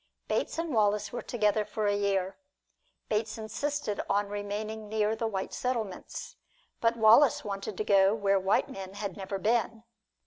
Bates and Wallace were together for a year. Bates insisted on remaining near the white settlements; but Wallace wanted to go where white men had never been.